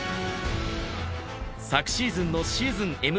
昨シーズンのシーズンＭＶＰ